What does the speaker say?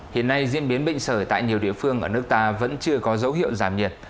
hiện nay diễn biến bệnh sởi tại nhiều địa phương ở nước ta vẫn chưa có dấu hiệu giảm nhiệt